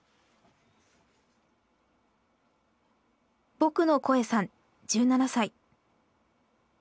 僕の声さん１７歳。